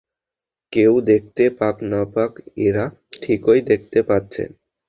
কেউ দেখতে পাক না পাক এরা ঠিকই দেখতে পাচ্ছে।